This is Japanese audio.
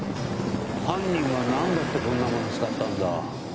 犯人はなんだってこんなもの使ったんだ？